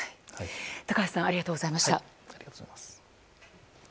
高橋さんありがとうございました。